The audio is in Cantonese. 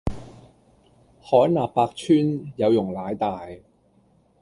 海納百川，有容乃大